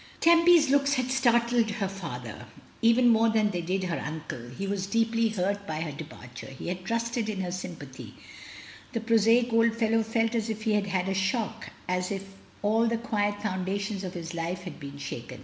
Tempy's looks had startled her father, even SUSANNA AT HOME. 227 more than they did her unde. He was deeply hurt by her departure; he had trusted in her sympathy. The prosaic old fellow felt as if he had had a shock, as if all the quiet foundations of his life had been shaken.